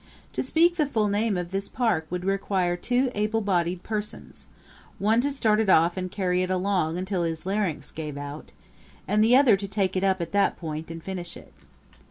To speak the full name of this park would require two able bodied persons one to start it off and carry it along until his larynx gave out, and the other to take it up at that point and finish it.